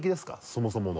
そもそもの。